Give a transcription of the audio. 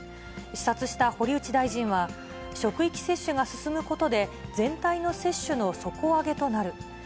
視察した堀内大臣は、職域接種が進むことで、全体の接種の底上げとなる。